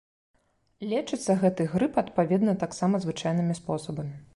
Лечыцца гэты грып, адпаведна, таксама звычайнымі спосабамі.